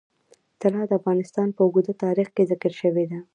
طلا د افغانستان په اوږده تاریخ کې ذکر شوی دی.